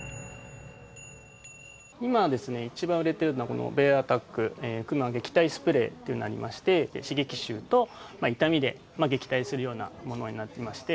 今、一番売れてるのは、このベアアタック、クマ撃退スプレーとなりまして、刺激臭と痛みで撃退するようなものになっていまして。